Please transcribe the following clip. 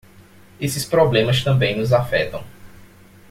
Esses problemas também nos afetam.